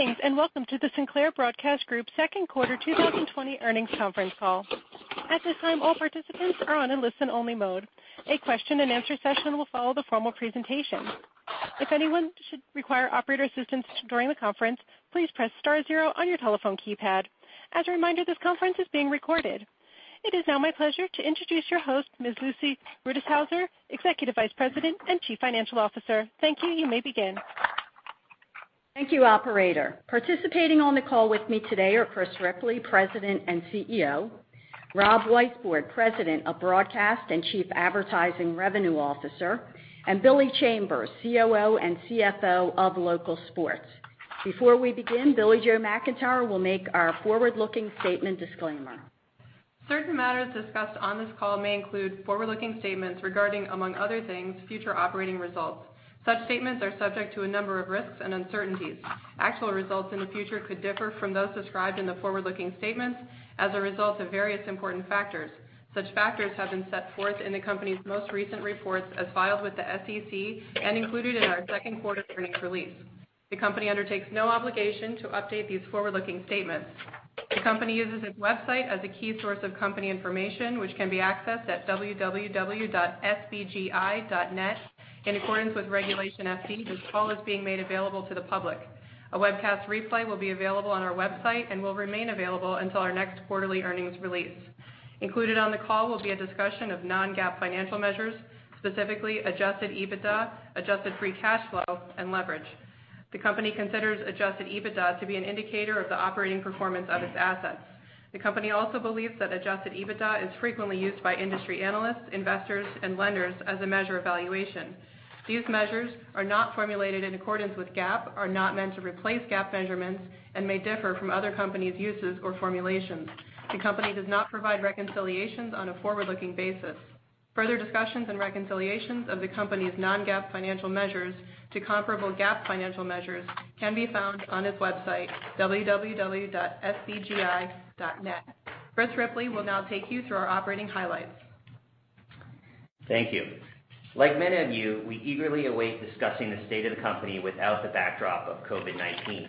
Greetings, and welcome to the Sinclair Broadcast Group second quarter 2020 earnings conference call. At this time, all participants are on a listen-only mode. A question and answer session will follow the formal presentation. If anyone should require operator assistance during the conference, please press star zero on your telephone keypad. As a reminder, this conference is being recorded. It is now my pleasure to introduce your host, Ms. Lucy Rutishauser, Executive Vice President and Chief Financial Officer. Thank you. You may begin. Thank you, operator. Participating on the call with me today are Chris Ripley, President and CEO, Rob Weisbord, President of Broadcast and Chief Advertising Revenue Officer, and Billy Chambers, COO and CFO of Local Sports. Before we begin, Billie Jo McIntire will make our forward-looking statement disclaimer. Certain matters discussed on this call may include forward-looking statements regarding, among other things, future operating results. Such statements are subject to a number of risks and uncertainties. Actual results in the future could differ from those described in the forward-looking statements as a result of various important factors. Such factors have been set forth in the company's most recent reports as filed with the SEC and included in our second quarter earnings release. The company undertakes no obligation to update these forward-looking statements. The company uses its website as a key source of company information, which can be accessed at www.sbgi.net. In accordance with Regulation FD, this call is being made available to the public. A webcast replay will be available on our website and will remain available until our next quarterly earnings release. Included on the call will be a discussion of non-GAAP financial measures, specifically adjusted EBITDA, adjusted free cash flow, and leverage. The company considers adjusted EBITDA to be an indicator of the operating performance of its assets. The company also believes that adjusted EBITDA is frequently used by industry analysts, investors, and lenders as a measure of valuation. These measures are not formulated in accordance with GAAP, are not meant to replace GAAP measurements, and may differ from other companies' uses or formulations. The company does not provide reconciliations on a forward-looking basis. Further discussions and reconciliations of the company's non-GAAP financial measures to comparable GAAP financial measures can be found on its website, www.sbgi.net. Chris Ripley will now take you through our operating highlights. Thank you. Like many of you, we eagerly await discussing the state of the company without the backdrop of COVID-19.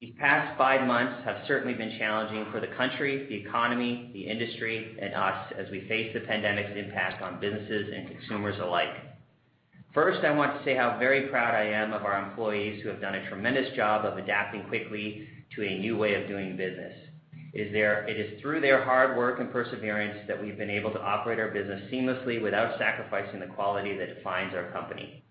These past five months have certainly been challenging for the country, the economy, the industry, and us as we face the pandemic's impact on businesses and consumers alike. First, I want to say how very proud I am of our employees who have done a tremendous job of adapting quickly to a new way of doing business. It is through their hard work and perseverance that we've been able to operate our business seamlessly without sacrificing the quality that defines our company.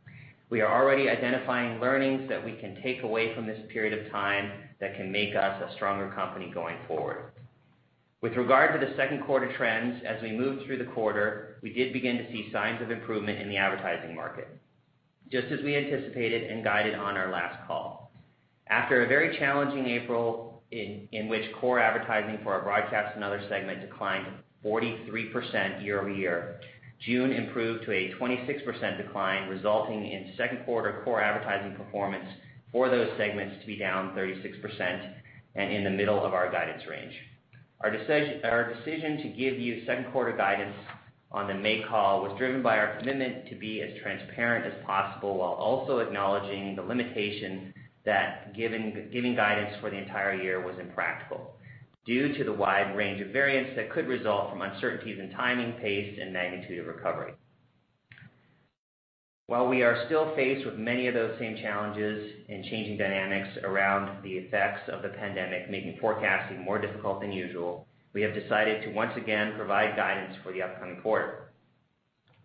We are already identifying learnings that we can take away from this period of time that can make us a stronger company going forward. With regard to the second quarter trends, as we moved through the quarter, we did begin to see signs of improvement in the advertising market, just as we anticipated and guided on our last call. After a very challenging April in which core advertising for our broadcast and other segment declined 43% year-over-year, June improved to a 26% decline, resulting in second quarter core advertising performance for those segments to be down 36% and in the middle of our guidance range. Our decision to give you second quarter guidance on the May call was driven by our commitment to be as transparent as possible while also acknowledging the limitation that giving guidance for the entire year was impractical due to the wide range of variants that could result from uncertainties in timing, pace, and magnitude of recovery. While we are still faced with many of those same challenges and changing dynamics around the effects of the pandemic making forecasting more difficult than usual, we have decided to once again provide guidance for the upcoming quarter.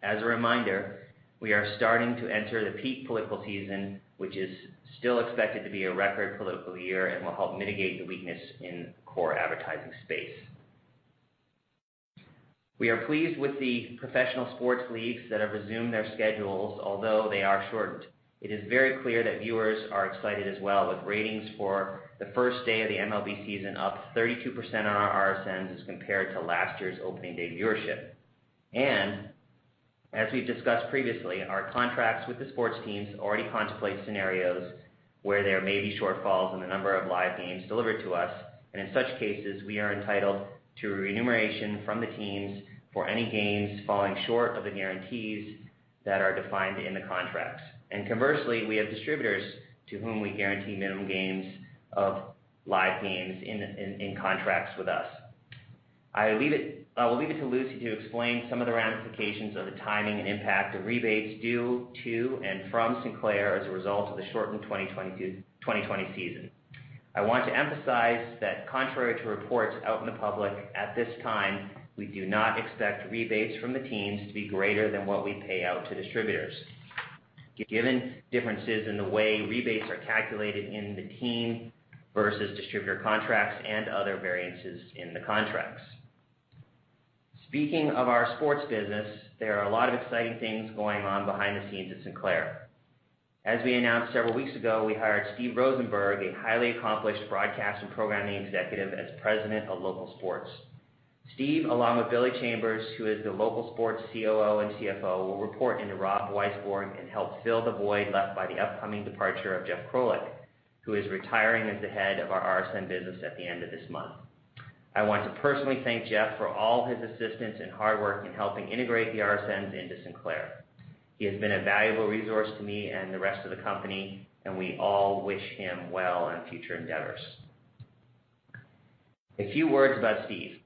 As a reminder, we are starting to enter the peak political season, which is still expected to be a record political year and will help mitigate the weakness in core advertising space. We are pleased with the professional sports leagues that have resumed their schedules, although they are shortened. It is very clear that viewers are excited as well, with ratings for the first day of the MLB season up 35% on our RSNs as compared to last year's opening day viewership. As we've discussed previously, our contracts with the sports teams already contemplate scenarios where there may be shortfalls in the number of live games delivered to us, and in such cases, we are entitled to remuneration from the teams for any games falling short of the guarantees that are defined in the contracts. Conversely, we have distributors to whom we guarantee minimum games of live games in contracts with us. I will leave it to Lucy to explain some of the ramifications of the timing and impact of rebates due to and from Sinclair as a result of the shortened 2020 season. I want to emphasize that contrary to reports out in the public, at this time, we do not expect rebates from the teams to be greater than what we pay out to distributors, given differences in the way rebates are calculated in the team versus distributor contracts and other variances in the contracts. Speaking of our sports business, there are a lot of exciting things going on behind the scenes at Sinclair. As we announced several weeks ago, we hired Steve Rosenberg, a highly accomplished broadcast and programming executive, as President of Local Sports. Steve, along with Billy Chambers, who is the Local Sports COO and CFO, will report into Rob Weisbord and help fill the void left by the upcoming departure of Jeff Krolik, who is retiring as the head of our RSN business at the end of this month. I want to personally thank Jeff for all his assistance and hard work in helping integrate the RSNs into Sinclair. He has been a valuable resource to me and the rest of the company, and we all wish him well on future endeavors. A few words about Steve.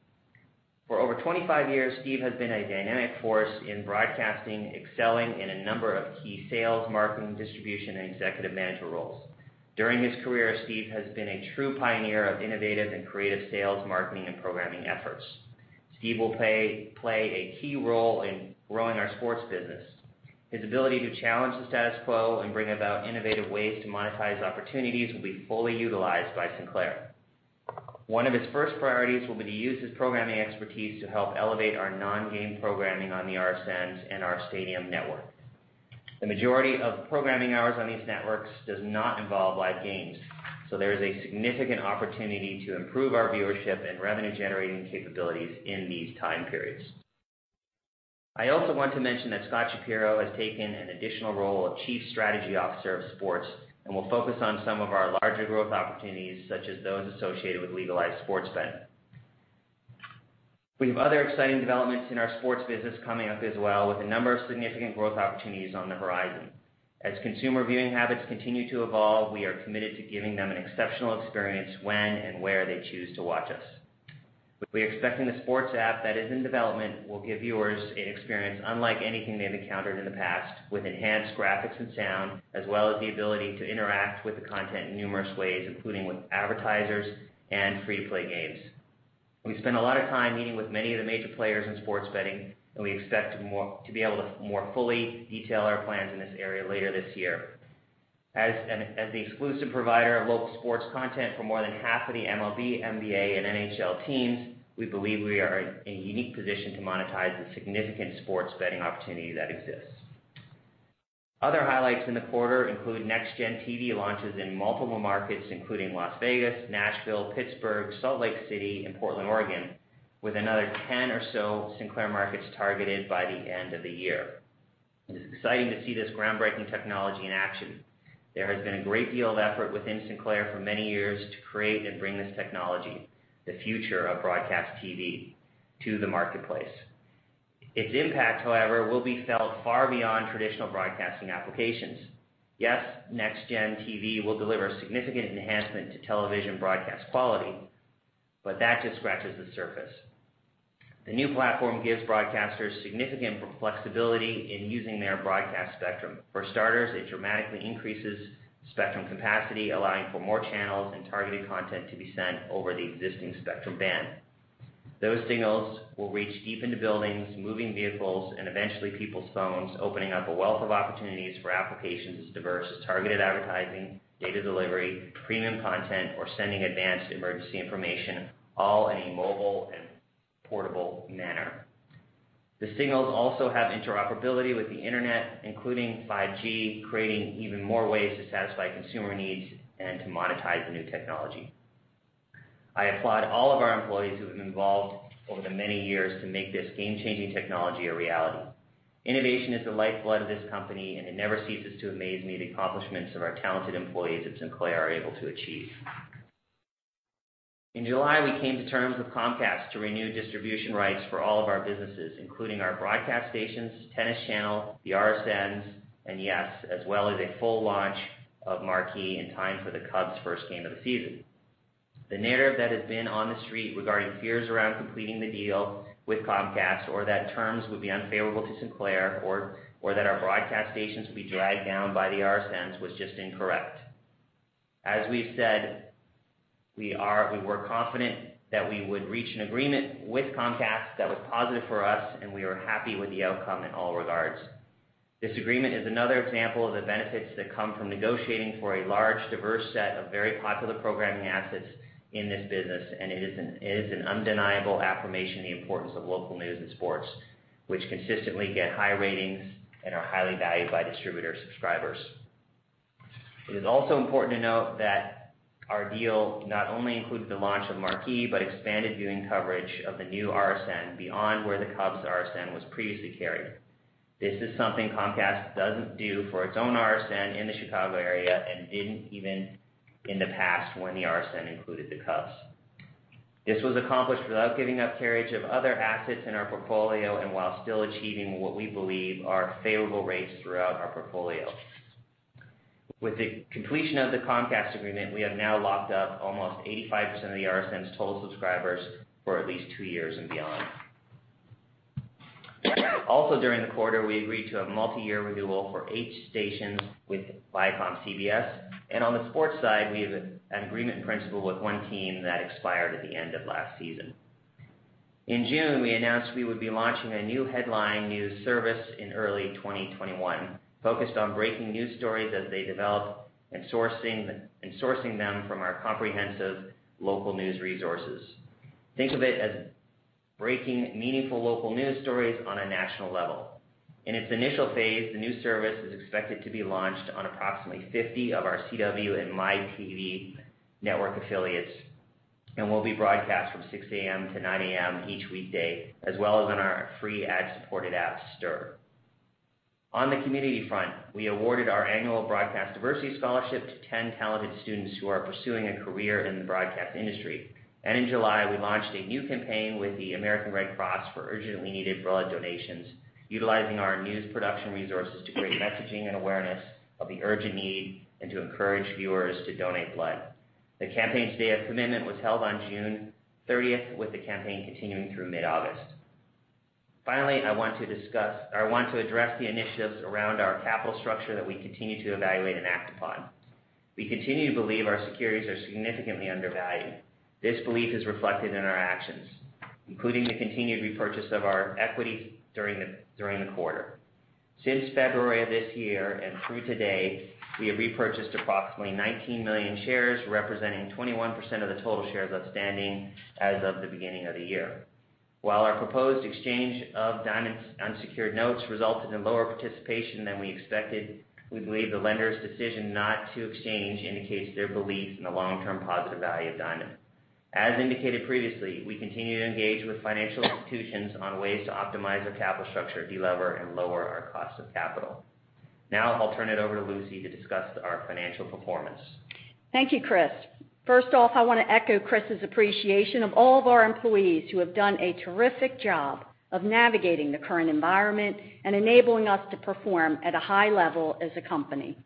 For over 25 years, Steve has been a dynamic force in broadcasting, excelling in a number of key sales, marketing, distribution, and executive management roles. During his career, Steve has been a true pioneer of innovative and creative sales, marketing, and programming efforts. Steve will play a key role in growing our sports business. His ability to challenge the status quo and bring about innovative ways to monetize opportunities will be fully utilized by Sinclair. One of his first priorities will be to use his programming expertise to help elevate our non-game programming on the RSNs and our Stadium network. The majority of programming hours on these networks does not involve live games, so there is a significant opportunity to improve our viewership and revenue-generating capabilities in these time periods. I also want to mention that Scott Shapiro has taken an additional role of Chief Strategy Officer of Sports and will focus on some of our larger growth opportunities, such as those associated with legalized sports betting. We have other exciting developments in our sports business coming up as well, with a number of significant growth opportunities on the horizon. As consumer viewing habits continue to evolve, we are committed to giving them an exceptional experience when and where they choose to watch us. We are expecting the sports app that is in development will give viewers an experience unlike anything they've encountered in the past, with enhanced graphics and sound, as well as the ability to interact with the content in numerous ways, including with advertisers and free-to-play games. We spent a lot of time meeting with many of the major players in sports betting, and we expect to be able to more fully detail our plans in this area later this year. As the exclusive provider of local sports content for more than half of the MLB, NBA, and NHL teams, we believe we are in a unique position to monetize the significant sports betting opportunity that exists. Other highlights in the quarter include NextGen TV launches in multiple markets, including Las Vegas, Nashville, Pittsburgh, Salt Lake City, and Portland, Oregon, with another 10 or so Sinclair markets targeted by the end of the year. It is exciting to see this groundbreaking technology in action. There has been a great deal of effort within Sinclair for many years to create and bring this technology, the future of broadcast TV, to the marketplace. Its impact, however, will be felt far beyond traditional broadcasting applications. Yes, NextGen TV will deliver a significant enhancement to television broadcast quality, but that just scratches the surface. The new platform gives broadcasters significant flexibility in using their broadcast spectrum. For starters, it dramatically increases spectrum capacity, allowing for more channels and targeted content to be sent over the existing spectrum band. Those signals will reach deep into buildings, moving vehicles, and eventually people's phones, opening up a wealth of opportunities for applications as diverse as targeted advertising, data delivery, premium content, or sending advanced emergency information, all in a mobile and portable manner. The signals also have interoperability with the internet, including 5G, creating even more ways to satisfy consumer needs and to monetize the new technology. I applaud all of our employees who have been involved over the many years to make this game-changing technology a reality. Innovation is the lifeblood of this company, and it never ceases to amaze me the accomplishments our talented employees at Sinclair are able to achieve. In July, we came to terms with Comcast to renew distribution rights for all of our businesses, including our broadcast stations, Tennis Channel, the RSNs, and yes, as well as a full launch of Marquee in time for the Cubs' first game of the season. The narrative that has been on the street regarding fears around completing the deal with Comcast, or that terms would be unfavorable to Sinclair, or that our broadcast stations would be dragged down by the RSNs was just incorrect. As we've said, we were confident that we would reach an agreement with Comcast that was positive for us, and we are happy with the outcome in all regards. This agreement is another example of the benefits that come from negotiating for a large, diverse set of very popular programming assets in this business. It is an undeniable affirmation of the importance of local news and sports, which consistently get high ratings and are highly valued by distributor subscribers. It is also important to note that our deal not only includes the launch of Marquee, but expanded viewing coverage of the new RSN beyond where the Cubs RSN was previously carried. This is something Comcast doesn't do for its own RSN in the Chicago area and didn't even in the past when the RSN included the Cubs. This was accomplished without giving up carriage of other assets in our portfolio and while still achieving what we believe are favorable rates throughout our portfolio. With the completion of the Comcast agreement, we have now locked up almost 85% of the RSNs total subscribers for at least two years and beyond. During the quarter, we agreed to a multi-year renewal for eight stations with ViacomCBS. On the sports side, we have an agreement in principle with one team that expired at the end of last season. In June, we announced we would be launching a new headline news service in early 2021, focused on breaking news stories as they develop and sourcing them from our comprehensive local news resources. Think of it as breaking meaningful local news stories on a national level. In its initial phase, the news service is expected to be launched on approximately 50 of our CW and MyNetworkTV affiliates and will be broadcast from 6:00 A.M. to 9:00 A.M. each weekday, as well as on our free ad-supported app, STIRR. On the community front, we awarded our annual Broadcast Diversity Scholarship to 10 talented students who are pursuing a career in the broadcast industry. In July, we launched a new campaign with the American Red Cross for urgently needed blood donations, utilizing our news production resources to create messaging and awareness of the urgent need and to encourage viewers to donate blood. The campaign's Day of Commitment was held on June 30th, with the campaign continuing through mid-August. I want to address the initiatives around our capital structure that we continue to evaluate and act upon. We continue to believe our securities are significantly undervalued. This belief is reflected in our actions, including the continued repurchase of our equity during the quarter. Since February of this year and through today, we have repurchased approximately 19 million shares, representing 21% of the total shares outstanding as of the beginning of the year. While our proposed exchange of Diamond's unsecured notes resulted in lower participation than we expected, we believe the lenders' decision not to exchange indicates their belief in the long-term positive value of Diamond. As indicated previously, we continue to engage with financial institutions on ways to optimize our capital structure, de-lever, and lower our cost of capital. Now I'll turn it over to Luce to discuss our financial performance. Thank you, Chris. First off, I want to echo Chris' appreciation of all of our employees who have done a terrific job of navigating the current environment and enabling us to perform at a high level as a company.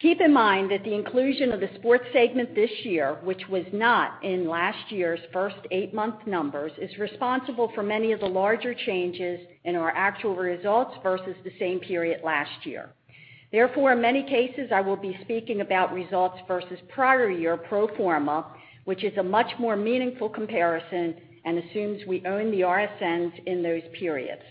Keep in mind that the inclusion of the sports segment this year, which was not in last year's first eight month numbers, is responsible for many of the larger changes in our actual results versus the same period last year. Therefore, in many cases, I will be speaking about results versus prior year pro forma, which is a much more meaningful comparison and assumes we own the RSNs in those periods.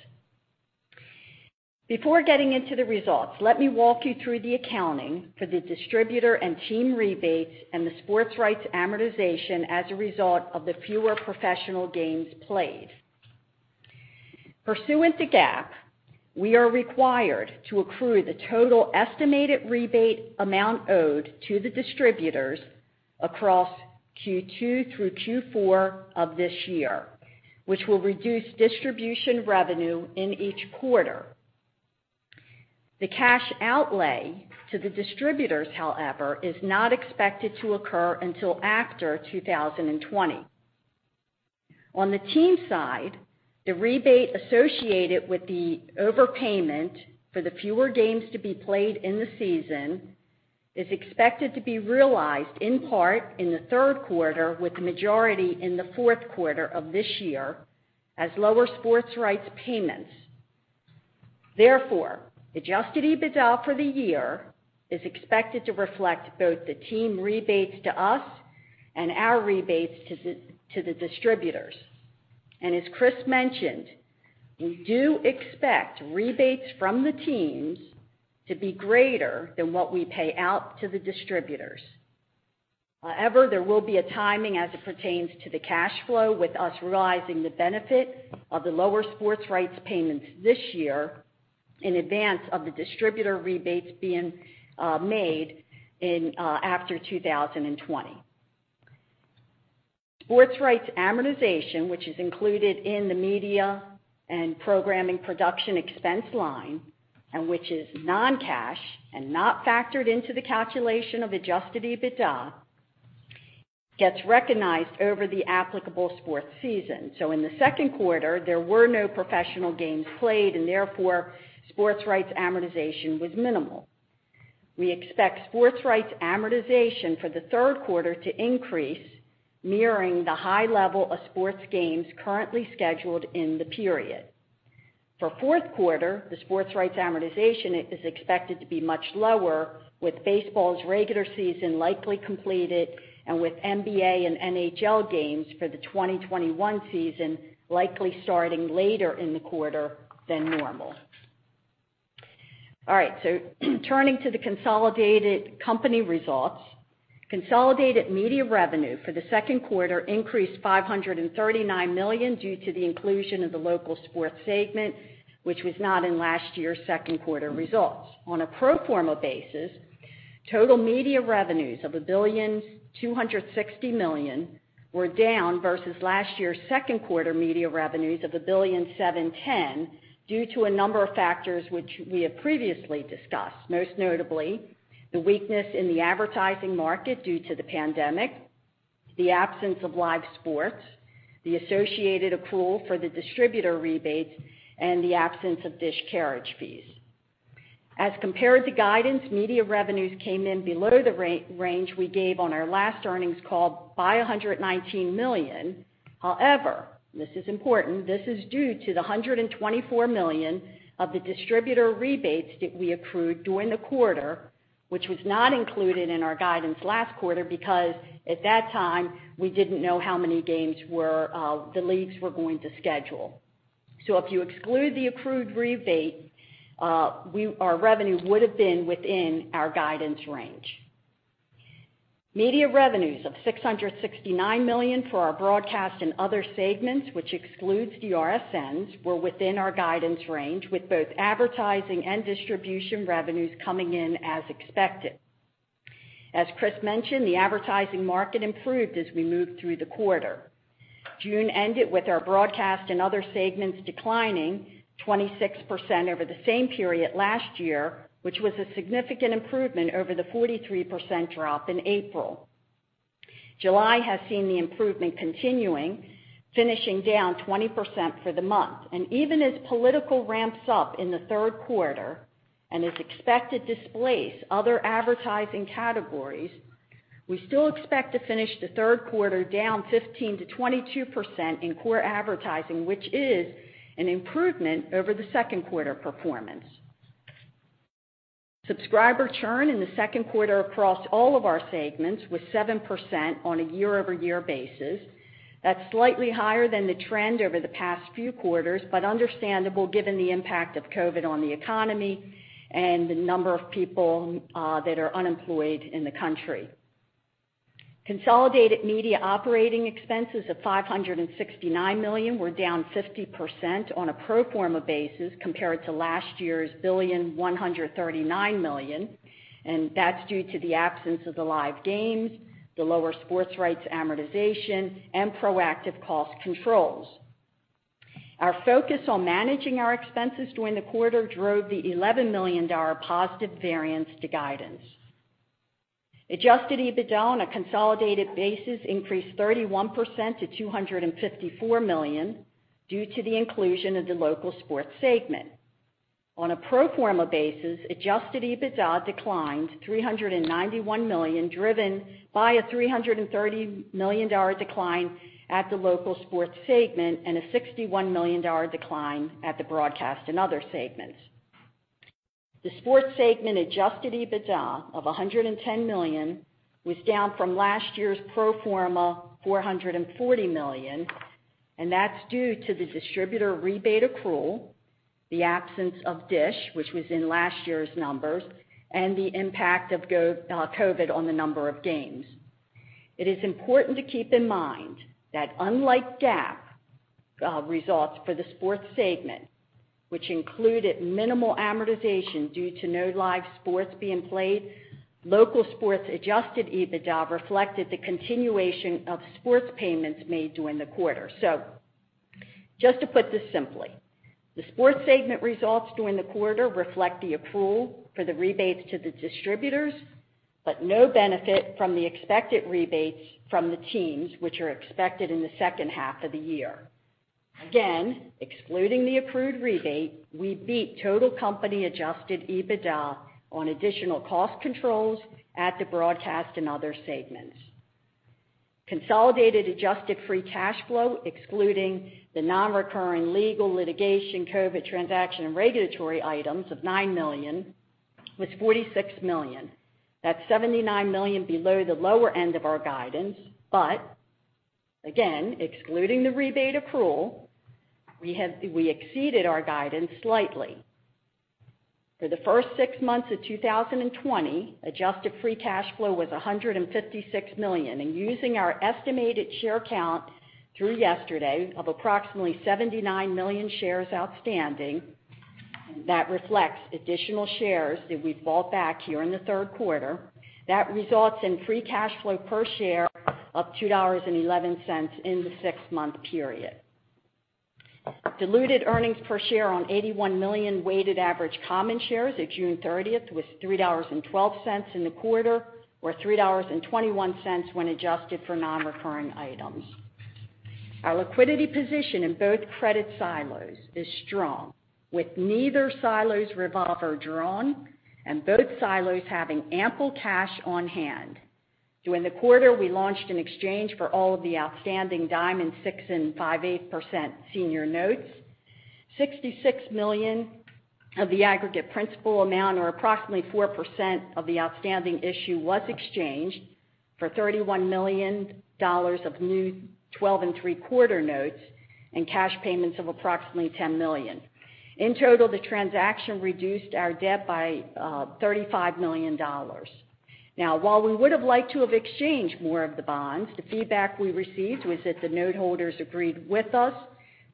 Before getting into the results, let me walk you through the accounting for the distributor and team rebates and the sports rights amortization as a result of the fewer professional games played. Pursuant to GAAP, we are required to accrue the total estimated rebate amount owed to the distributors across Q2 through Q4 of this year, which will reduce distribution revenue in each quarter. The cash outlay to the distributors, however, is not expected to occur until after 2020. On the team side, the rebate associated with the overpayment for the fewer games to be played in the season is expected to be realized in part in the third quarter, with the majority in the fourth quarter of this year as lower sports rights payments. Therefore, adjusted EBITDA for the year is expected to reflect both the team rebates to us and our rebates to the distributors. As Chris mentioned, we do expect rebates from the teams to be greater than what we pay out to the distributors. However, there will be a timing as it pertains to the cash flow with us realizing the benefit of the lower sports rights payments this year in advance of the distributor rebates being made after 2020. Sports rights amortization, which is included in the media and programming production expense line and which is non-cash and not factored into the calculation of adjusted EBITDA, gets recognized over the applicable sports season. In the second quarter, there were no professional games played, and therefore, sports rights amortization was minimal. We expect sports rights amortization for the third quarter to increase, mirroring the high level of sports games currently scheduled in the period. For fourth quarter, the sports rights amortization is expected to be much lower, with baseball's regular season likely completed and with NBA and NHL games for the 2021 season likely starting later in the quarter than normal. All right, turning to the consolidated company results. Consolidated media revenue for the second quarter increased $539 million due to the inclusion of the Local Sports segment, which was not in last year's second quarter results. On a pro forma basis, total media revenues of $1,260 million were down versus last year's second quarter media revenues of $1.710 billion due to a number of factors which we have previously discussed, most notably the weakness in the advertising market due to the pandemic, the absence of live sports, the associated accrual for the distributor rebates, and the absence of DISH carriage fees. As compared to guidance, media revenues came in below the range we gave on our last earnings call by $119 million. However, this is important, this is due to the $124 million of the distributor rebates that we accrued during the quarter, which was not included in our guidance last quarter because at that time, we didn't know how many games the leagues were going to schedule. If you exclude the accrued rebate, our revenue would have been within our guidance range. Media revenues of $669 million for our broadcast and other segments, which excludes the RSNs, were within our guidance range, with both advertising and distribution revenues coming in as expected. As Chris mentioned, the advertising market improved as we moved through the quarter. June ended with our broadcast and other segments declining 26% over the same period last year, which was a significant improvement over the 43% drop in April. July has seen the improvement continuing, finishing down 20% for the month. Even as political ramps up in the third quarter and is expected to displace other advertising categories, we still expect to finish the third quarter down 15%-22% in core advertising, which is an improvement over the second quarter performance. Subscriber churn in the second quarter across all of our segments was 7% on a year-over-year basis. That's slightly higher than the trend over the past few quarters, but understandable given the impact of COVID-19 on the economy and the number of people that are unemployed in the country. Consolidated media operating expenses of $569 million were down 50% on a pro forma basis compared to last year's $1,139 million, that's due to the absence of the live games, the lower sports rights amortization, and proactive cost controls. Our focus on managing our expenses during the quarter drove the $11 million positive variance to guidance. Adjusted EBITDA on a consolidated basis increased 31% to $254 million due to the inclusion of the Local Sports segment. On a pro forma basis, adjusted EBITDA declined $391 million, driven by a $330 million decline at the Local Sports segment and a $61 million decline at the broadcast and other segments. The Local Sports segment adjusted EBITDA of $110 million was down from last year's pro forma $440 million. That's due to the distributor rebate accrual, the absence of DISH, which was in last year's numbers, and the impact of COVID-19 on the number of games. It is important to keep in mind that unlike GAAP results for the Local Sports segment, which included minimal amortization due to no live sports being played, Local Sports adjusted EBITDA reflected the continuation of sports payments made during the quarter. Just to put this simply, the sports segment results during the quarter reflect the accrual for the rebates to the distributors, but no benefit from the expected rebates from the teams, which are expected in the second half of the year. Excluding the accrued rebate, we beat total company adjusted EBITDA on additional cost controls at the broadcast and other segments. Consolidated adjusted free cash flow, excluding the non-recurring legal, litigation, COVID-19, transaction, and regulatory items of $9 million, was $46 million. That's $79 million below the lower end of our guidance, but again, excluding the rebate accrual, we exceeded our guidance slightly. For the first six months of 2020, adjusted free cash flow was $156 million, and using our estimated share count through yesterday of approximately 79 million shares outstanding, that reflects additional shares that we've bought back here in the third quarter. That results in free cash flow per share of $2.11 in the six-month period. Diluted earnings per share on 81 million weighted average common shares at June 30th was $3.12 in the quarter, or $3.21 when adjusted for non-recurring items. Our liquidity position in both credit silos is strong, with neither silos revolver drawn and both silos having ample cash on hand. During the quarter, we launched an exchange for all of the outstanding Diamond 6.5% and 5.8% senior notes. 66 million of the aggregate principal amount, or approximately 4% of the outstanding issue, was exchanged for $31 million of new 12.75% notes and cash payments of approximately $10 million. In total, the transaction reduced our debt by $35 million. While we would have liked to have exchanged more of the bonds, the feedback we received was that the note holders agreed with us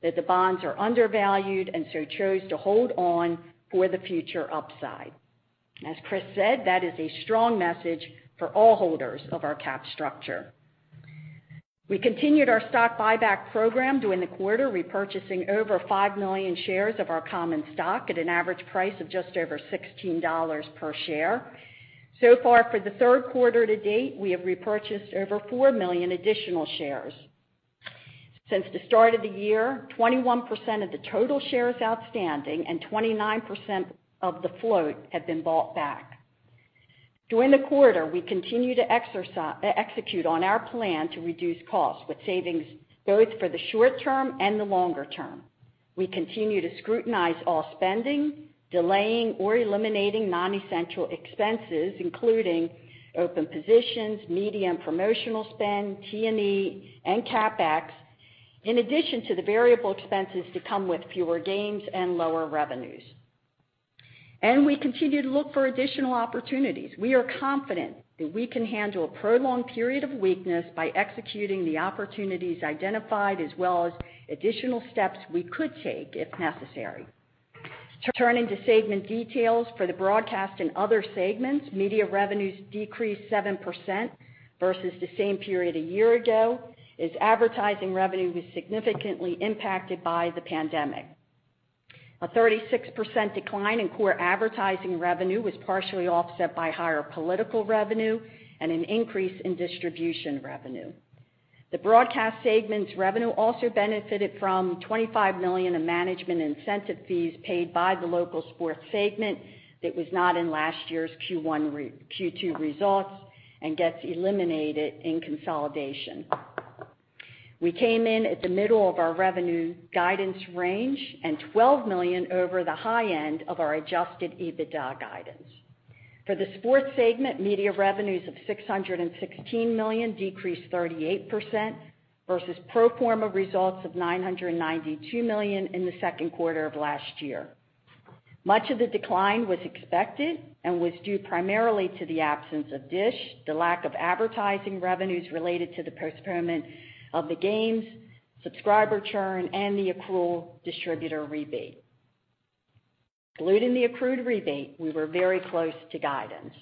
that the bonds are undervalued and so chose to hold on for the future upside. As Chris said, that is a strong message for all holders of our cap structure. We continued our stock buyback program during the quarter, repurchasing over 5 million shares of our common stock at an average price of just over $16 per share. Far for the third quarter to date, we have repurchased over 4 million additional shares. Since the start of the year, 21% of the total shares outstanding and 29% of the float have been bought back. During the quarter, we continued to execute on our plan to reduce costs with savings both for the short term and the longer term. We continue to scrutinize all spending, delaying or eliminating non-essential expenses, including open positions, media and promotional spend, T&E, and CapEx, in addition to the variable expenses that come with fewer games and lower revenues. We continue to look for additional opportunities. We are confident that we can handle a prolonged period of weakness by executing the opportunities identified as well as additional steps we could take if necessary. Turning to segment details for the broadcast and other segments, media revenues decreased 7% versus the same period a year ago, as advertising revenue was significantly impacted by the pandemic. A 36% decline in core advertising revenue was partially offset by higher political revenue and an increase in distribution revenue. The broadcast segment's revenue also benefited from $25 million of management incentive fees paid by the Local Sports segment that was not in last year's Q2 results and gets eliminated in consolidation. We came in at the middle of our revenue guidance range and $12 million over the high end of our adjusted EBITDA guidance. For the sports segment, media revenues of $616 million decreased 38% versus pro forma results of $992 million in the second quarter of last year. Much of the decline was expected and was due primarily to the absence of DISH, the lack of advertising revenues related to the postponement of the games, subscriber churn, and the accrual distributor rebate. Excluding the accrued rebate, we were very close to guidance.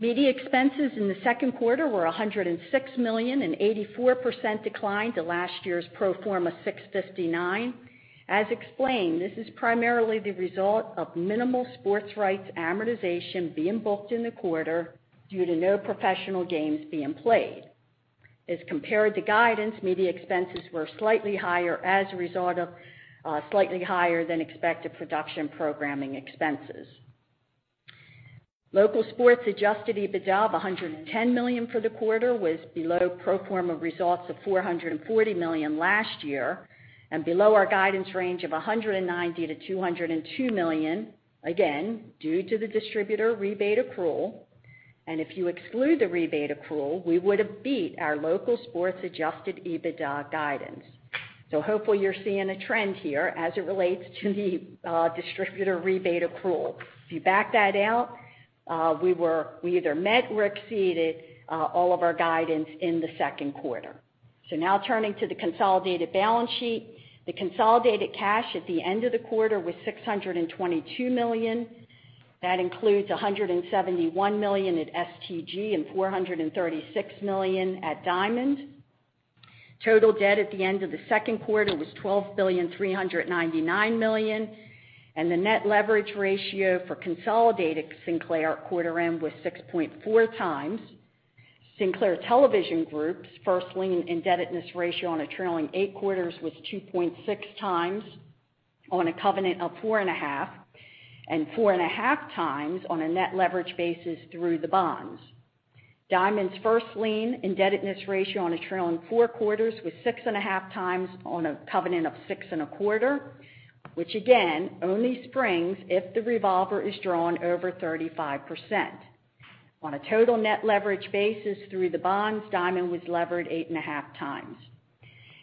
Media expenses in the second quarter were $106 million, an 84% decline to last year's pro forma $659 million. As explained, this is primarily the result of minimal sports rights amortization being booked in the quarter due to no professional games being played. As compared to guidance, media expenses were slightly higher as a result of slightly higher than expected production programming expenses. Local Sports adjusted EBITDA of $110 million for the quarter was below pro forma results of $440 million last year and below our guidance range of $190 million-$202 million, again, due to the distributor rebate accrual. If you exclude the rebate accrual, we would've beat our Local Sports adjusted EBITDA guidance. Hopefully you're seeing a trend here as it relates to the distributor rebate accrual. If you back that out, we either met or exceeded all of our guidance in the second quarter. Now turning to the consolidated balance sheet. The consolidated cash at the end of the quarter was $622 million. That includes $171 million at STG and $436 million at Diamond. Total debt at the end of the second quarter was $12,399 million. The net leverage ratio for consolidated Sinclair quarter end was 6.4 times. Sinclair Television Group's first lien indebtedness ratio on a trailing eight quarters was 2.6 times on a covenant of 4.5, and 4.5 times on a net leverage basis through the bonds. Diamond's first lien indebtedness ratio on a trailing four quarters was 6.5 times on a covenant of 6.25, which again, only springs if the revolver is drawn over 35%. On a total net leverage basis through the bonds, Diamond was levered 8.5 times.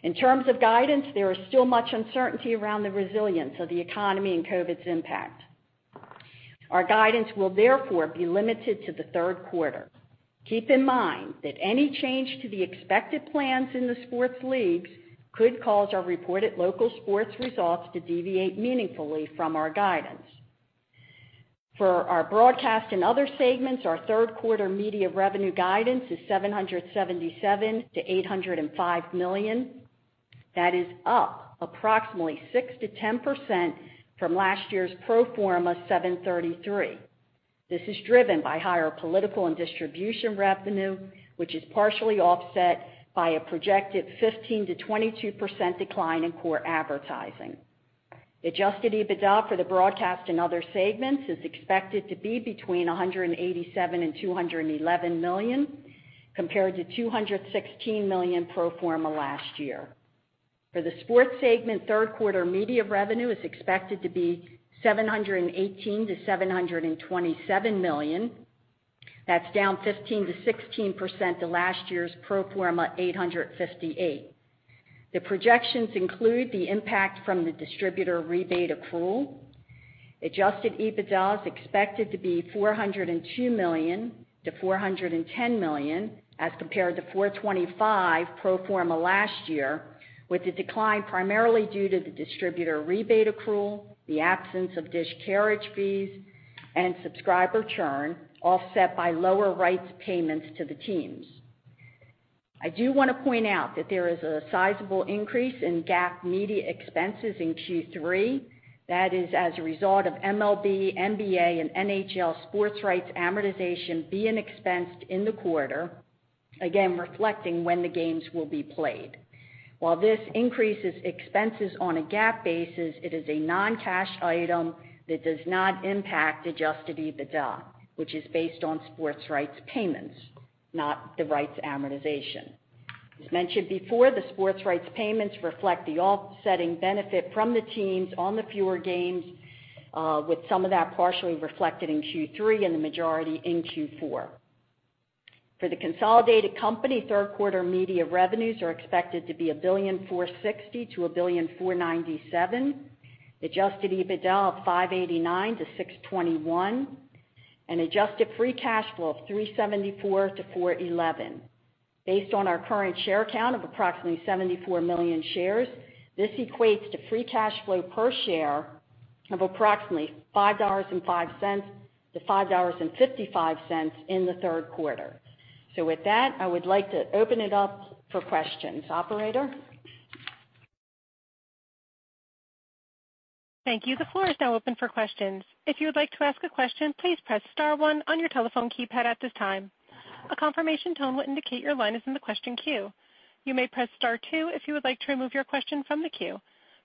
In terms of guidance, there is still much uncertainty around the resilience of the economy and COVID's impact. Our guidance will therefore be limited to the third quarter. Keep in mind that any change to the expected plans in the sports leagues could cause our reported Local Sports results to deviate meaningfully from our guidance. For our broadcast and other segments, our third quarter media revenue guidance is $777 million-$805 million. That is up approximately 6%-10% from last year's pro forma $733 million. This is driven by higher political and distribution revenue, which is partially offset by a projected 15%-22% decline in core advertising. Adjusted EBITDA for the broadcast and other segments is expected to be between $187 million and $211 million, compared to $216 million pro forma last year. For the sports segment, third quarter media revenue is expected to be $718 million-$727 million. That's down 15%-16% to last year's pro forma $858 million. The projections include the impact from the distributor rebate accrual. Adjusted EBITDA is expected to be $402 million to $410 million as compared to $425 million pro forma last year, with the decline primarily due to the distributor rebate accrual, the absence of DISH carriage fees, and subscriber churn offset by lower rights payments to the teams. I do want to point out that there is a sizable increase in GAAP media expenses in Q3 that is as a result of MLB, NBA, and NHL sports rights amortization being expensed in the quarter, again, reflecting when the games will be played. While this increases expenses on a GAAP basis, it is a non-cash item that does not impact adjusted EBITDA, which is based on sports rights payments, not the rights amortization. As mentioned before, the sports rights payments reflect the offsetting benefit from the teams on the fewer games, with some of that partially reflected in Q3 and the majority in Q4. For the consolidated company, third quarter media revenues are expected to be $1.460 billion-$1.497 billion, adjusted EBITDA of $589 million-$621 million and adjusted free cash flow of $374 million-$411 million. Based on our current share count of approximately 74 million shares, this equates to free cash flow per share of approximately $5.05-$5.55 in the third quarter. With that, I would like to open it up for questions. Operator? Thank you. The floor is now open for questions. If you would like to ask a question, please press Star one on your telephone keypad at this time. A confirmation tone will indicate your line is in the question queue. You may press Star two if you would like to remove your question from the queue.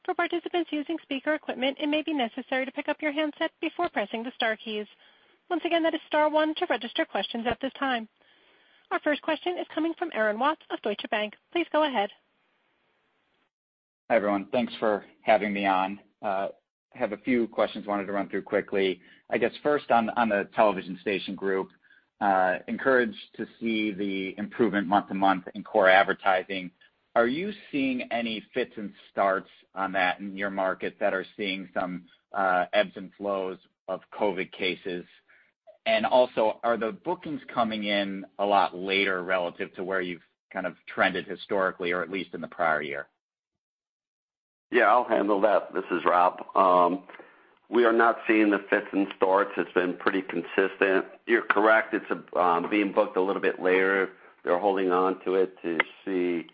For participants using speaker equipment, it may be necessary to pick up your handset before pressing the star keys. Once again, that is star one to register questions at this time. Our first question is coming from Aaron Watts of Deutsche Bank. Please go ahead. Hi, everyone. Thanks for having me on. I have a few questions I wanted to run through quickly. I guess first on the television station group, encouraged to see the improvement month-to-month in core advertising. Are you seeing any fits and starts on that in your market that are seeing some ebbs and flows of COVID-19 cases? Also, are the bookings coming in a lot later relative to where you've kind of trended historically or at least in the prior year? Yeah, I'll handle that. This is Rob Weisbord. We are not seeing the fits and starts. It's been pretty consistent. You're correct, it's being booked a little bit later. They're holding onto it to see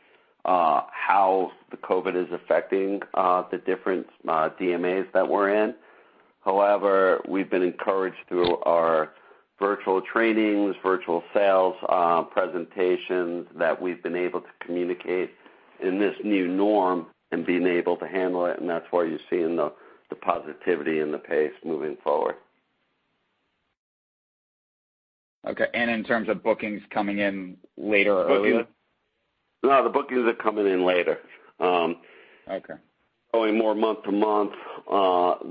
how the COVID is affecting the different DMAs that we're in. However, we've been encouraged through our virtual trainings, virtual sales presentations, that we've been able to communicate in this new norm and been able to handle it, and that's where you're seeing the positivity and the pace moving forward. Okay, in terms of bookings coming in later or earlier? No, the bookings are coming in later. Okay. Probably more month-to-month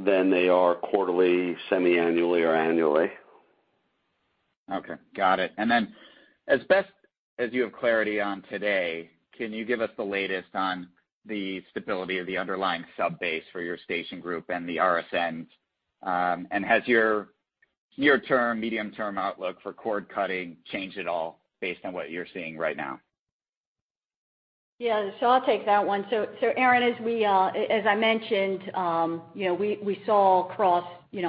than they are quarterly, semi-annually, or annually. Okay, got it. As best as you have clarity on today, can you give us the latest on the stability of the underlying sub base for your station group and the RSNs? Has your near-term, medium-term outlook for cord cutting changed at all based on what you're seeing right now? I'll take that one. Aaron, as I mentioned, we saw across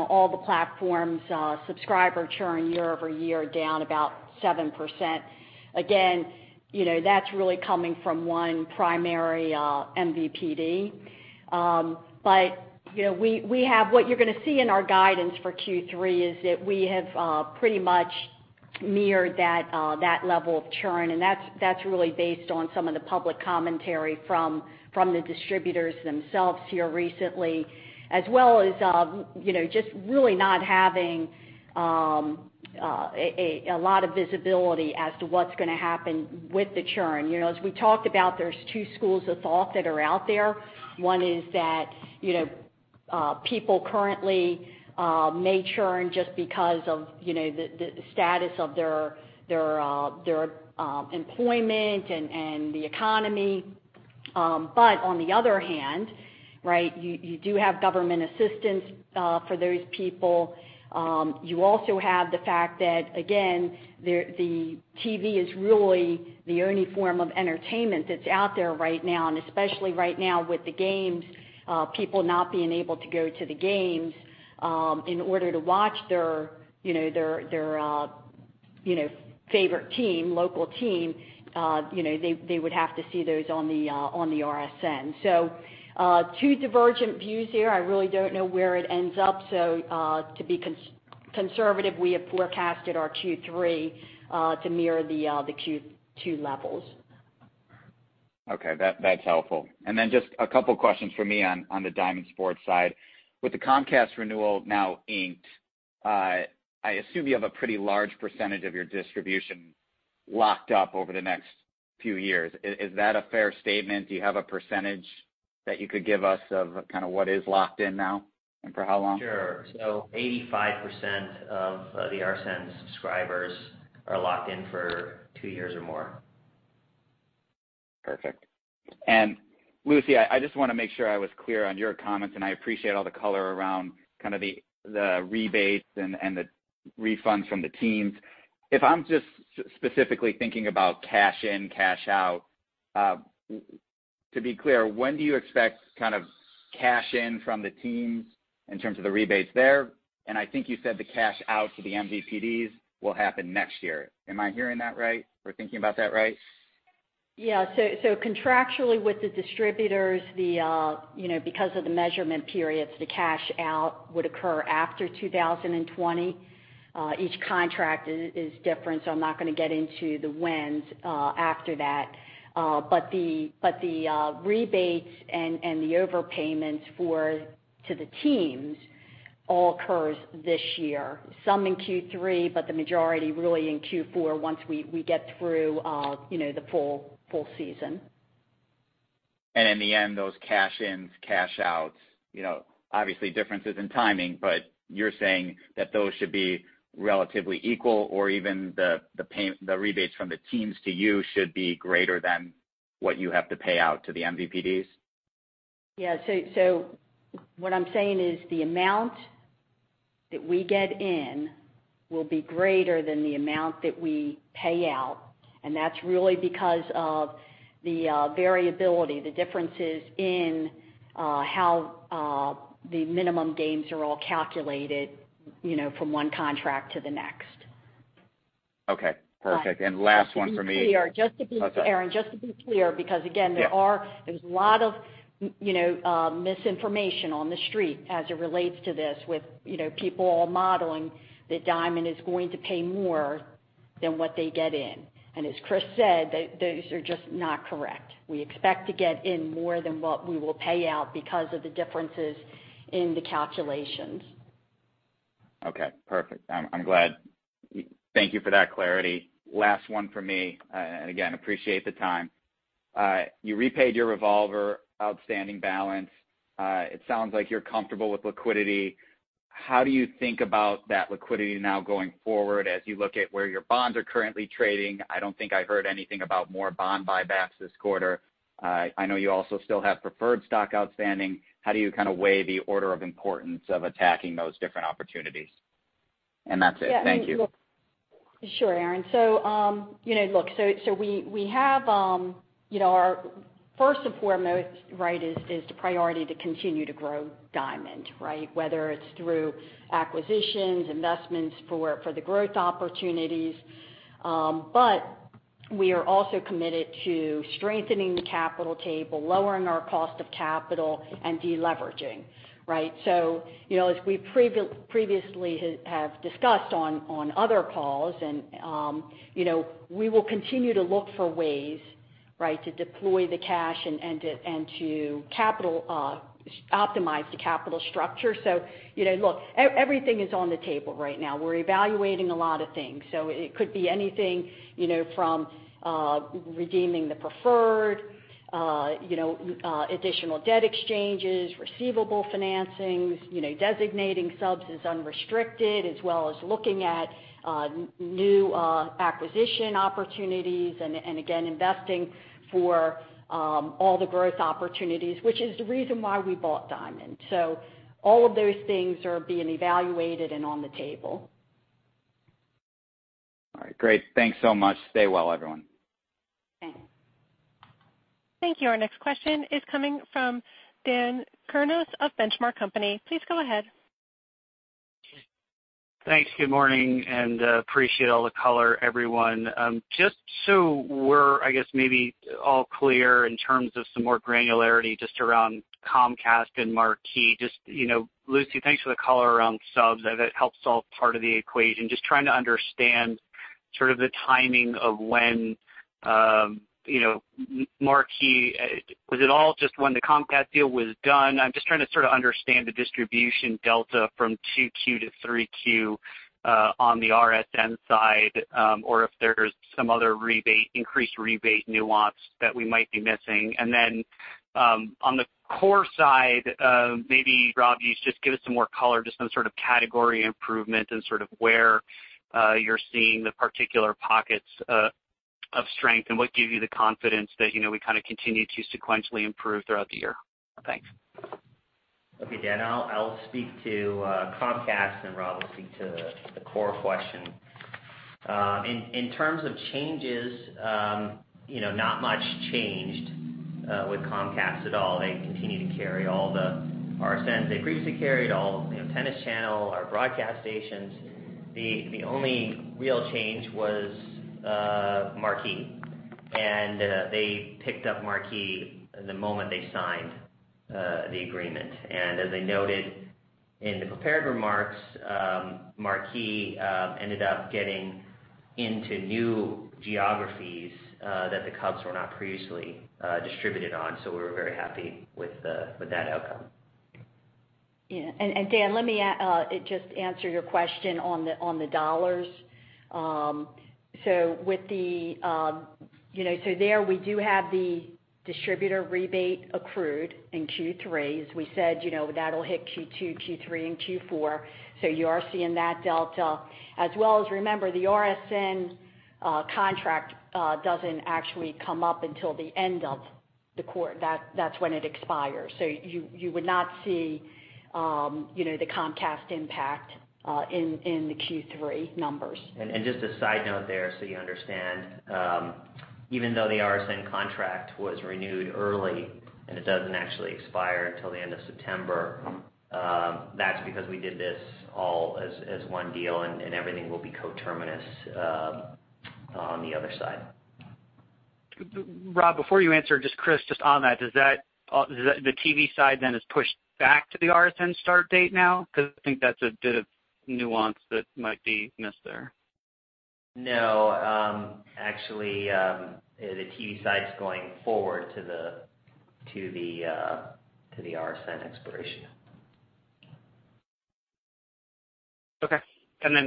all the platforms subscriber churn year-over-year down about 7%. Again, that's really coming from one primary MVPD. What you're going to see in our guidance for Q3 is that we have pretty much mirrored that level of churn, and that's really based on some of the public commentary from the distributors themselves here recently, as well as just really not having a lot of visibility as to what's going to happen with the churn. As we talked about, there's two schools of thought that are out there. One is that people currently may churn just because of the status of their employment and the economy. On the other hand, you do have government assistance for those people. You also have the fact that, again, the TV is really the only form of entertainment that's out there right now, and especially right now with the games, people not being able to go to the games in order to watch their favorite local team. They would have to see those on the RSN. Two divergent views here. I really don't know where it ends up. To be conservative, we have forecasted our Q3 to mirror the Q2 levels. Okay, that's helpful. Just a couple questions from me on the Diamond Sports side. With the Comcast renewal now inked, I assume you have a pretty large percentage of your distribution locked up over the next few years. Is that a fair statement? Do you have a percentage that you could give us of kind of what is locked in now and for how long? Sure. 85% of the RSN subscribers are locked in for two years or more. Perfect. Lucy, I just want to make sure I was clear on your comments, and I appreciate all the color around the rebates and the refunds from the teams. If I'm just specifically thinking about cash in, cash out, to be clear, when do you expect kind of cash in from the teams in terms of the rebates there? I think you said the cash out to the MVPDs will happen next year. Am I hearing that right or thinking about that right? Yeah. Contractually with the distributors, because of the measurement periods, the cash out would occur after 2020. Each contract is different, so I'm not going to get into the whens after that. But the rebates and the overpayments to the teams all occurs this year. Some in Q3, but the majority really in Q4 once we get through the full season. In the end, those cash ins, cash outs, obviously differences in timing, but you're saying that those should be relatively equal or even the rebates from the teams to you should be greater than what you have to pay out to the MVPDs? Yeah. What I'm saying is the amount that we get in will be greater than the amount that we pay out, and that's really because of the variability, the differences in how the minimum gains are all calculated from one contract to the next. Okay, perfect. Last one from me. Just to be clear, Aaron. Yeah there's a lot of misinformation on the Street as it relates to this with people all modeling that Diamond is going to pay more than what they get in. As Chris said, those are just not correct. We expect to get in more than what we will pay out because of the differences in the calculations. Okay, perfect. I'm glad. Thank you for that clarity. Last one from me, again, appreciate the time. You repaid your revolver outstanding balance. It sounds like you're comfortable with liquidity. How do you think about that liquidity now going forward as you look at where your bonds are currently trading? I don't think I heard anything about more bond buybacks this quarter. I know you also still have preferred stock outstanding. How do you kind of weigh the order of importance of attacking those different opportunities? That's it. Thank you. Sure, Aaron. Look, our first and foremost is the priority to continue to grow Diamond, whether it's through acquisitions, investments for the growth opportunities. We are also committed to strengthening the capital table, lowering our cost of capital and deleveraging. As we previously have discussed on other calls, and we will continue to look for ways to deploy the cash and to optimize the capital structure. Look, everything is on the table right now. We're evaluating a lot of things. It could be anything from redeeming the preferred, additional debt exchanges, receivable financings, designating subs as unrestricted, as well as looking at new acquisition opportunities and again, investing for all the growth opportunities, which is the reason why we bought Diamond. All of those things are being evaluated and on the table. All right, great. Thanks so much. Stay well, everyone. Thanks. Thank you. Our next question is coming from Dan Kurnos of The Benchmark Company. Please go ahead. Thanks. Good morning, appreciate all the color, everyone. Just so we're, I guess maybe all clear in terms of some more granularity just around Comcast and Marquee. Lucy, thanks for the color around subs. That helps solve part of the equation. Just trying to understand sort of the timing of when Marquee, was it all just when the Comcast deal was done? I'm just trying to sort of understand the distribution delta from 2Q to 3Q, on the RSN side. Or if there's some other increased rebate nuance that we might be missing. On the core side, maybe Rob, you just give us some more color, just some sort of category improvement and sort of where you're seeing the particular pockets of strength and what gives you the confidence that we continue to sequentially improve throughout the year. Thanks. Okay, Dan, I'll speak to Comcast and Rob will speak to the core question. In terms of changes, not much changed with Comcast at all. They continue to carry all the RSNs they previously carried, all the Tennis Channel, our broadcast stations. The only real change was Marquee. They picked up Marquee the moment they signed the agreement. As I noted in the prepared remarks, Marquee ended up getting into new geographies that the Cubs were not previously distributed on. We're very happy with that outcome. Dan, let me just answer your question on the dollars. There we do have the distributor rebate accrued in Q3, as we said, that'll hit Q2, Q3, and Q4. You are seeing that delta as well as remember the RSN contract doesn't actually come up until the end of the quarter, that's when it expires. You would not see the Comcast impact in the Q3 numbers. Just a side note there so you understand, even though the RSN contract was renewed early and it doesn't actually expire until the end of September, that's because we did this all as one deal and everything will be co-terminus on the other side. Rob, before you answer, just Chris, just on that, the TV side then is pushed back to the RSN start date now? Because I think that's a bit of nuance that might be missed there. No. Actually, the TV side's going forward to the RSN expiration. Okay.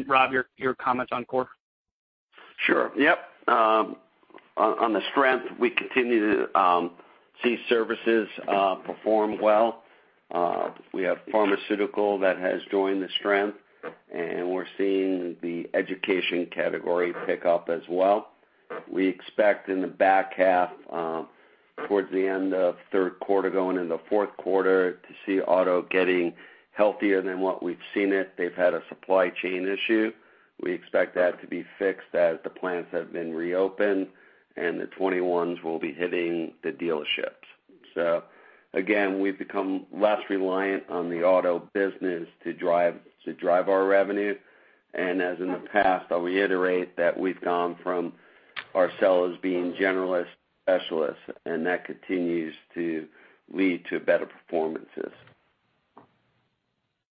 Rob, your comments on core. Sure. Yep. On the strength, we continue to see services perform well. We have pharmaceutical that has joined the strength, and we're seeing the education category pick up as well. We expect in the back half, towards the end of third quarter, going into fourth quarter, to see auto getting healthier than what we've seen it. They've had a supply chain issue. We expect that to be fixed as the plants have been reopened, and the 2021s will be hitting the dealerships. Again, we've become less reliant on the auto business to drive our revenue. As in the past, I'll reiterate that we've gone from our sellers being generalists to specialists, and that continues to lead to better performances.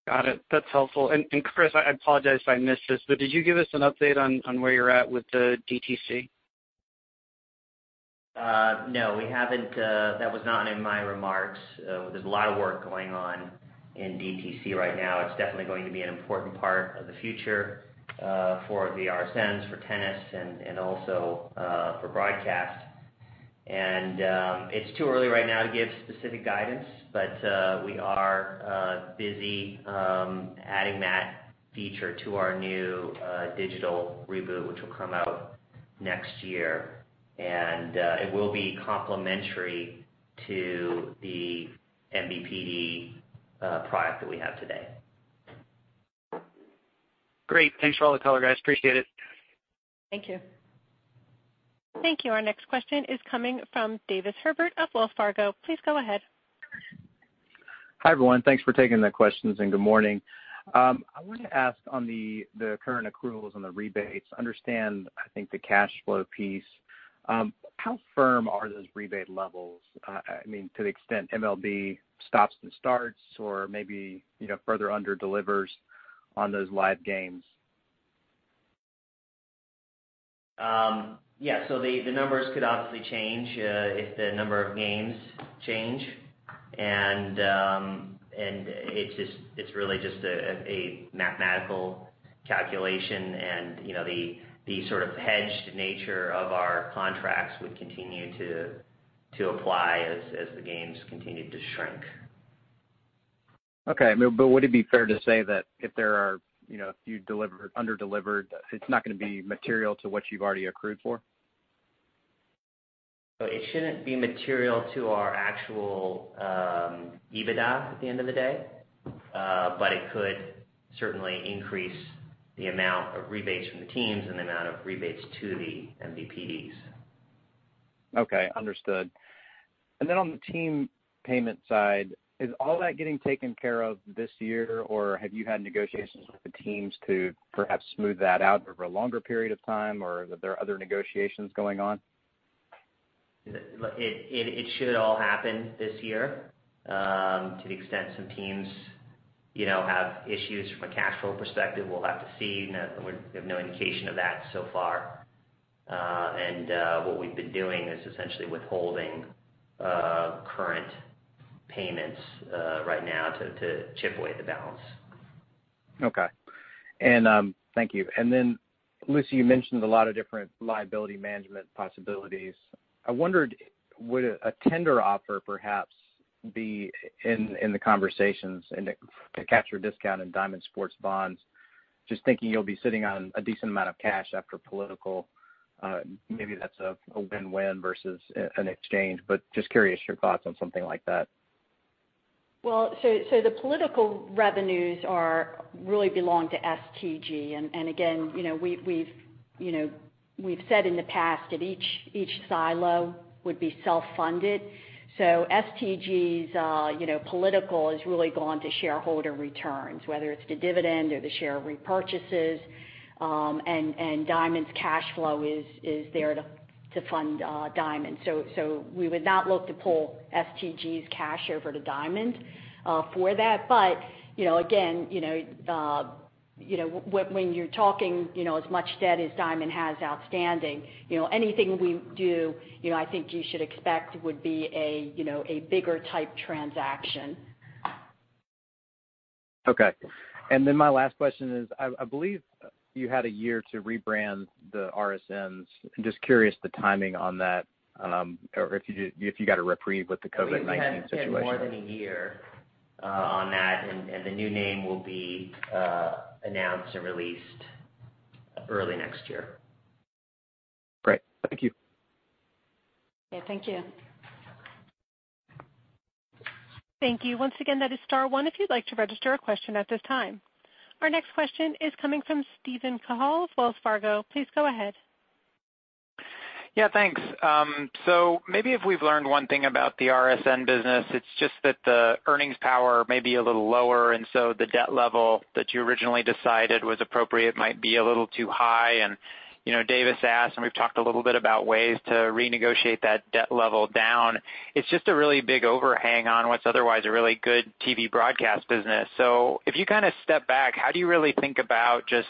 Got it. That's helpful. Chris, I apologize if I missed this, but did you give us an update on where you're at with the DTC? No, we haven't. That was not in my remarks. There's a lot of work going on in DTC right now. It's definitely going to be an important part of the future, for the RSNs, for Tennis, and also for broadcast. It's too early right now to give specific guidance, but we are busy adding that feature to our new digital reboot, which will come out next year. It will be complementary to the MVPD product that we have today. Great. Thanks for all the color, guys. Appreciate it. Thank you. Thank you. Our next question is coming from Davis Hebert of Wells Fargo. Please go ahead. Hi, everyone. Thanks for taking the questions, and good morning. I wanted to ask on the current accruals on the rebates, understand, I think, the cash flow piece. How firm are those rebate levels? I mean, to the extent MLB stops and starts or maybe further under-delivers on those live games. Yeah, the numbers could obviously change if the number of games change. It's really just a mathematical calculation and the sort of hedged nature of our contracts would continue to apply as the games continued to shrink. Okay. Would it be fair to say that if you under-delivered, it's not going to be material to what you've already accrued for? It shouldn't be material to our actual EBITDA at the end of the day. It could certainly increase the amount of rebates from the teams and the amount of rebates to the MVPDs. Okay, understood. On the team payment side, is all that getting taken care of this year, or have you had negotiations with the teams to perhaps smooth that out over a longer period of time, or are there other negotiations going on? It should all happen this year. To the extent some teams have issues from a cash flow perspective, we'll have to see. We have no indication of that so far. What we've been doing is essentially withholding current payments right now to chip away at the balance. Okay. Thank you. Lucy, you mentioned a lot of different liability management possibilities. I wondered, would a tender offer perhaps be in the conversations and to capture discount in Diamond Sports bonds? Just thinking you'll be sitting on a decent amount of cash after political. Maybe that's a win-win versus an exchange, but just curious your thoughts on something like that. The political revenues really belong to STG, and again, we've said in the past that each silo would be self-funded. STG's political has really gone to shareholder returns, whether it's the dividend or the share repurchases, and Diamond's cash flow is there to fund Diamond. We would not look to pull STG's cash over to Diamond for that. Again, when you're talking as much debt as Diamond has outstanding, anything we do, I think you should expect would be a bigger type transaction. Okay. My last question is, I believe you had a year to rebrand the RSNs. Just curious the timing on that, or if you got a reprieve with the COVID-19 situation. We've had more than a year on that, and the new name will be announced and released early next year. Great. Thank you. Yeah. Thank you. Thank you. Once again, that is Star one if you'd like to register a question at this time. Our next question is coming from Steven Cahall of Wells Fargo. Please go ahead. Yeah, thanks. Maybe if we've learned one thing about the RSN business, it's just that the earnings power may be a little lower, and so the debt level that you originally decided was appropriate might be a little too high. Davis asked, and we've talked a little bit about ways to renegotiate that debt level down. It's just a really big overhang on what's otherwise a really good TV broadcast business. If you step back, how do you really think about just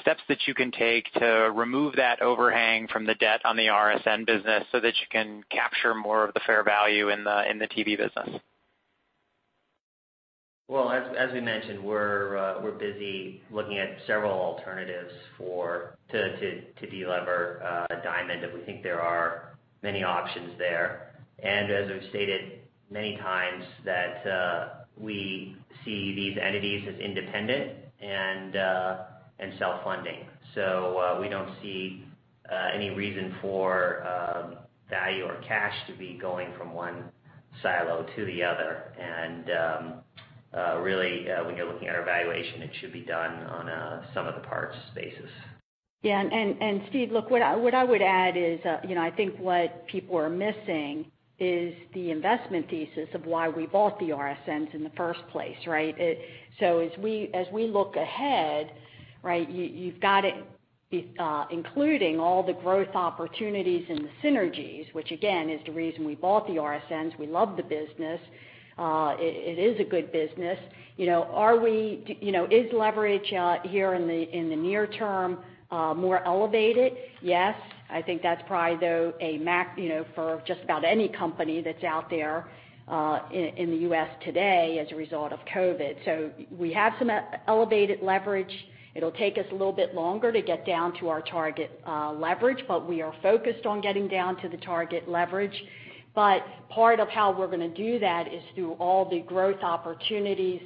steps that you can take to remove that overhang from the debt on the RSN business so that you can capture more of the fair value in the TV business? Well, as we mentioned, we're busy looking at several alternatives to de-lever Diamond, and we think there are many options there. As we've stated many times that we see these entities as independent and self-funding. We don't see any reason for value or cash to be going from one silo to the other. Really, when you're looking at our valuation, it should be done on a sum of the parts basis. Yeah. Steve, look, what I would add is, I think what people are missing is the investment thesis of why we bought the RSNs in the first place, right? As we look ahead, you've got to be including all the growth opportunities and the synergies, which again, is the reason we bought the RSNs. We love the business. It is a good business. Is leverage here in the near term more elevated? Yes. I think that's probably, though, a max for just about any company that's out there in the U.S. today as a result of COVID-19. We have some elevated leverage. It'll take us a little bit longer to get down to our target leverage, but we are focused on getting down to the target leverage. Part of how we're going to do that is through all the growth opportunities,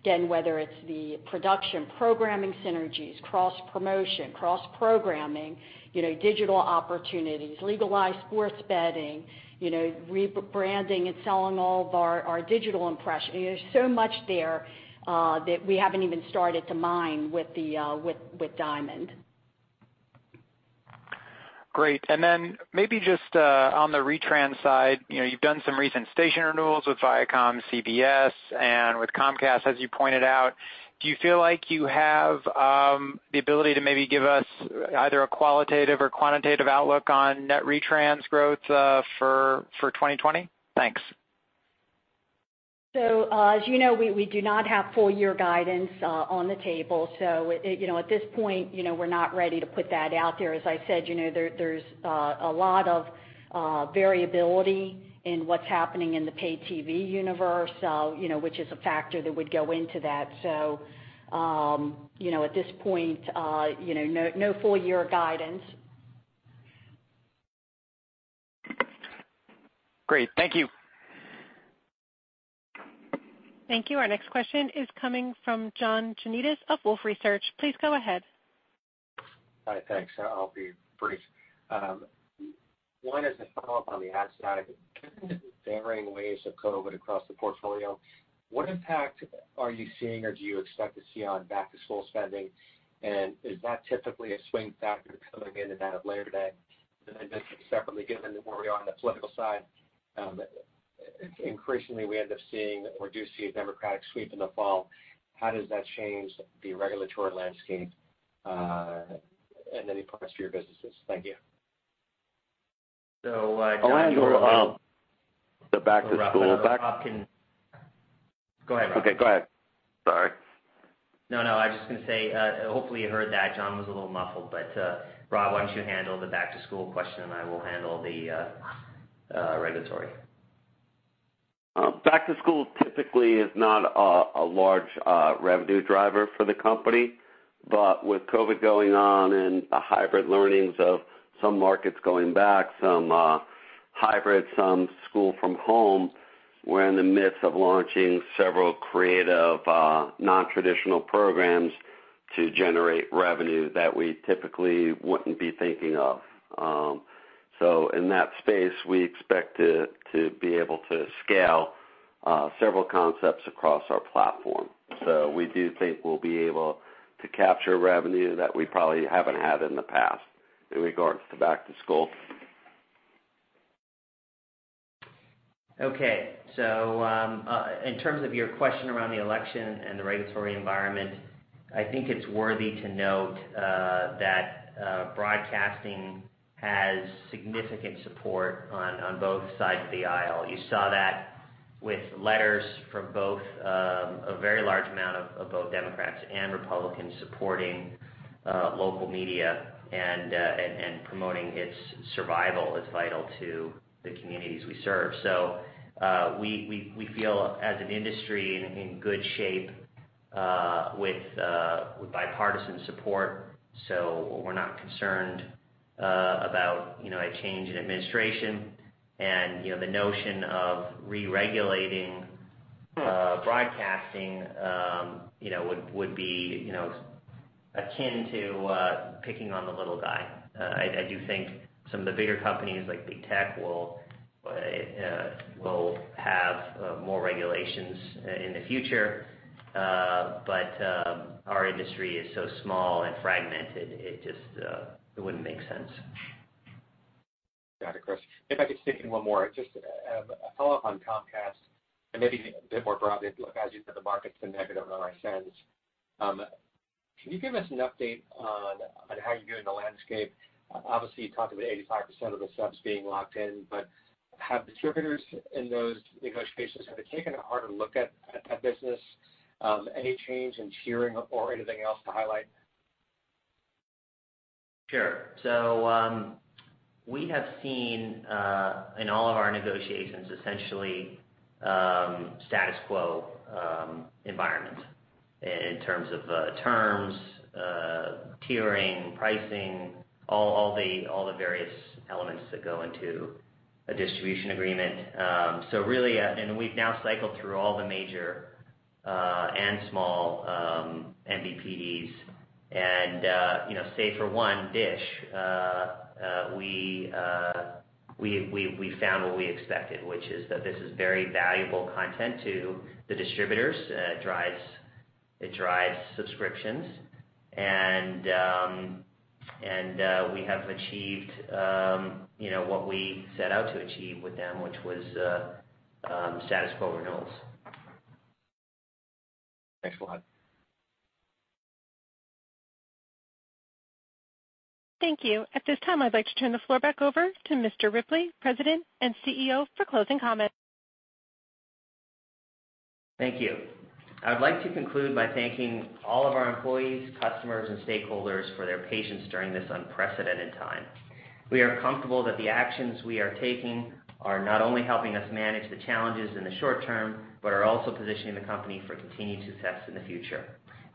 again, whether it's the production programming synergies, cross-promotion, cross-programming, digital opportunities, legalized sports betting, rebranding and selling all of our digital impressions. There's so much there that we haven't even started to mine with Diamond. Great. Maybe just on the retrans side. You've done some recent station renewals with ViacomCBS and with Comcast, as you pointed out. Do you feel like you have the ability to maybe give us either a qualitative or quantitative outlook on net retrans growth for 2020? Thanks. As you know, we do not have full year guidance on the table. At this point, we're not ready to put that out there. As I said, there's a lot of variability in what's happening in the paid TV universe, which is a factor that would go into that. At this point, no full year guidance. Great. Thank you. Thank you. Our next question is coming from John Janedis of Wolfe Research. Please go ahead. Hi. Thanks. I'll be brief. One is a follow-up on the ad side. Given the varying waves of COVID across the portfolio, what impact are you seeing or do you expect to see on back-to-school spending, and is that typically a swing factor coming into that later today? Just separately, given where we are on the political side, increasingly we end up seeing or do see a Democratic sweep in the fall. How does that change the regulatory landscape and any plans for your businesses? Thank you. So- I'll handle the back-to-school. Go ahead, Rob. Okay, go ahead. Sorry. No, I was just going to say, hopefully you heard that John was a little muffled, but Rob, why don't you handle the back-to-school question and I will handle the regulatory. Back to school typically is not a large revenue driver for the company. With COVID-19 going on and the hybrid learnings of some markets going back, some hybrid, some school from home, we're in the midst of launching several creative, non-traditional programs to generate revenue that we typically wouldn't be thinking of. In that space, we expect to be able to scale several concepts across our platform. We do think we'll be able to capture revenue that we probably haven't had in the past in regards to back to school. Okay. In terms of your question around the election and the regulatory environment, I think it's worthy to note that broadcasting has significant support on both sides of the aisle. You saw that with letters from a very large amount of both Democrats and Republicans supporting local media and promoting its survival as vital to the communities we serve. We feel as an industry in good shape with bipartisan support. We're not concerned about a change in administration and the notion of re-regulating broadcasting would be akin to picking on the little guy. I do think some of the bigger companies like big tech will have more regulations in the future. Our industry is so small and fragmented, it wouldn't make sense. Got it, Chris. If I could sneak in one more, just a follow-up on Comcast and maybe a bit more broadly. As you said, the market's been negative on RSNs. Can you give us an update on how you doing in the landscape? Obviously, you talked about 85% of the subs being locked in, but have distributors in those negotiation cases, have they taken a harder look at that business? Any change in tiering or anything else to highlight? Sure. We have seen, in all of our negotiations, essentially, status quo environment in terms of terms, tiering, pricing, all the various elements that go into a distribution agreement. We've now cycled through all the major and small MVPDs. Say for one, DISH, we found what we expected, which is that this is very valuable content to the distributors. It drives subscriptions. We have achieved what we set out to achieve with them, which was status quo renewals. Thanks a lot. Thank you. At this time, I'd like to turn the floor back over to Mr. Ripley, President and CEO, for closing comments. Thank you. I'd like to conclude by thanking all of our employees, customers and stakeholders for their patience during this unprecedented time. We are comfortable that the actions we are taking are not only helping us manage the challenges in the short term, but are also positioning the company for continued success in the future.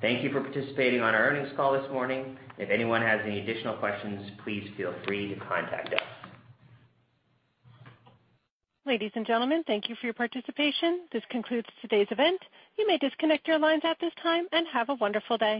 Thank you for participating on our earnings call this morning. If anyone has any additional questions, please feel free to contact us. Ladies and gentlemen, thank you for your participation. This concludes today's event. You may disconnect your lines at this time, and have a wonderful day.